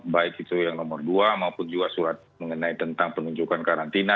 baik itu yang nomor dua maupun juga surat mengenai tentang penunjukan karantina